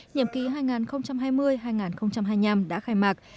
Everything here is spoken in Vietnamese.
nhiệm ký hai nghìn hai mươi hai nghìn hai mươi năm đã khai mạc